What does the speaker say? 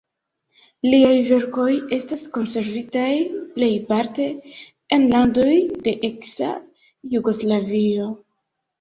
Liaj verkoj estas konservitaj plejparte en landoj de eksa Jugoslavio.